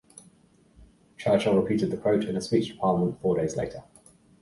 Churchill repeated the quote in a speech to Parliament four days later.